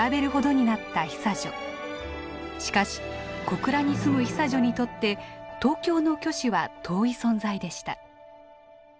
しかし小倉に住む久女にとって東京の虚子は遠い存在でした。